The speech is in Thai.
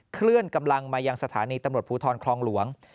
เคลื่อนกำลังมายังสถานีตำรวจภูทรคลองหลวง